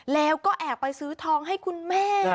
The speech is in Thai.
แล้วก็แอบไปซื้อทองให้คุณแม่